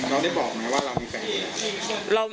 เราได้บอกไหมว่าเรามีประเด็น